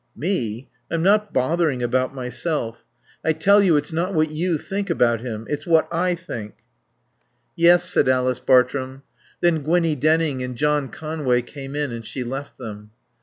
"Me? I'm not bothering about myself. I tell you it's not what you think about him, it's what I think." "Yes," said Alice Bartrum. Then Gwinnie Denning and John Conway came in and she left them.